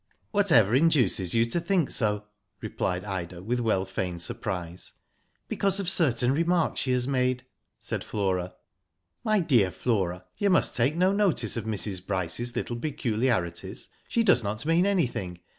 *^ Whatever induces you to think so ?" replied Ida, with well feigned surprise. •'Because of certain remarks she has made/' said Flora. *' My dear Flora, you must take no notice of Mrs. Bryce's little peculiarities. She does not mean anything.